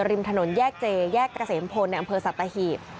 ริมถนนแยกเจแยกเกษมพลในอำเภอสัตหีบ